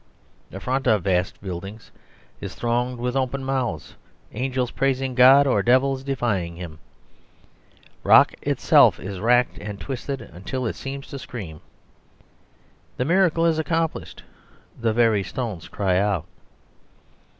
The front of vast buildings is thronged with open mouths, angels praising God, or devils defying Him. Rock itself is racked and twisted, until it seems to scream. The miracle is accomplished; the very stones cry out.